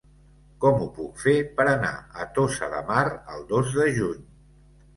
Com ho puc fer per anar a Tossa de Mar el dos de juny?